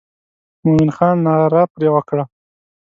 مومن خان ناره پر وکړه.